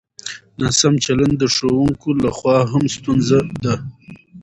ناسم چلند د ښوونکو له خوا هم ستونزه ده.